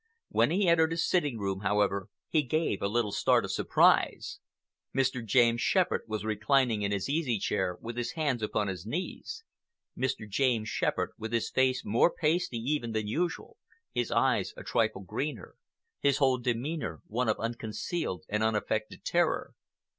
When he entered his sitting room, however, he gave a little start of surprise. Mr. James Shepherd was reclining in his easy chair with his hands upon his knees—Mr. James Shepherd with his face more pasty even than usual, his eyes a trifle greener, his whole demeanor one of unconcealed and unaffected terror.